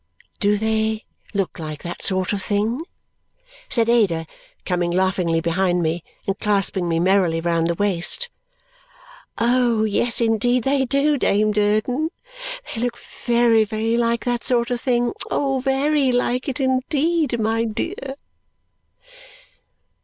"Do they look like that sort of thing?" said Ada, coming laughingly behind me and clasping me merrily round the waist. "Oh, yes, indeed they do, Dame Durden! They look very, very like that sort of thing. Oh, very like it indeed, my dear!"